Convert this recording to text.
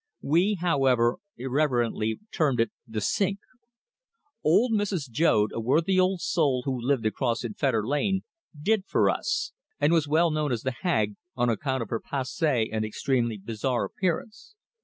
We, however, irreverently termed it "the sink." Old Mrs. Joad, a worthy old soul who lived across in Fetter Lane, "did for" us, and was known as "the Hag," on account of her passe and extremely bizarre appearance.